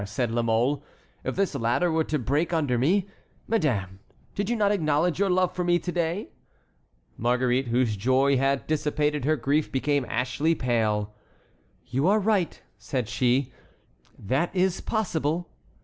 said La Mole. "If this ladder were to break under me? Madame, did you not acknowledge your love for me to day?" Marguerite, whose joy had dissipated her grief, became ashy pale. "You are right," said she, "that is possible."